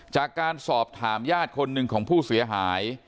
จากการสอบถามญาติคนหนึ่งของผู้เสียหาย